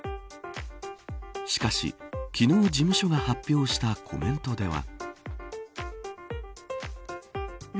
しかし、昨日事務所が発表したコメントでは。